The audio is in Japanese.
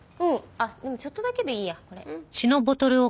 あっでもちょっとだけでいいや。